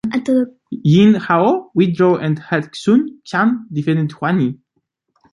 Yin Hao withdrew and had Xun Xian defend Huaiyin.